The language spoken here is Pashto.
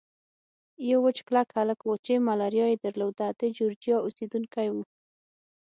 یو وچ کلک هلک وو چې ملاریا یې درلوده، د جورجیا اوسېدونکی و.